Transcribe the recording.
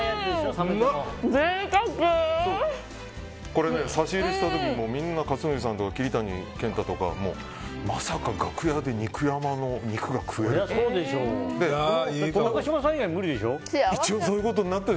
これね、差し入れした時克典さんとか桐谷健太とかまさか楽屋で肉山の肉が食えるなんてって。